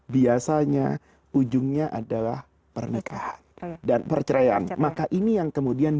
biasanya ujungnya adalah pernikahan dan perceraian maka ini yang kemudian